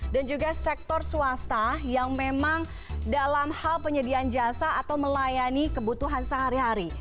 dan juga sektor swasta yang memang dalam hal penyediaan jasa atau melayani kebutuhan sehari hari